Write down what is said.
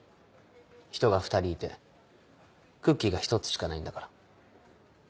人が２人いてクッキーが１つしかないんだから。